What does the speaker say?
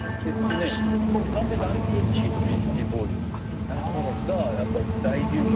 完全にＲＵＮＤＭＣとビースティ・ボーイズがやっぱ大流行。